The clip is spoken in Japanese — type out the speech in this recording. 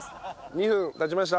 ２分経ちました。